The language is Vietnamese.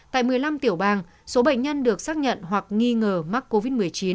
tại một mươi năm tiểu bang số bệnh nhân được xác nhận hoặc nghi ngờ mắc covid một mươi chín